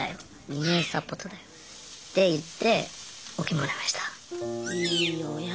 ２年サポートだよ」って言ってＯＫもらえました。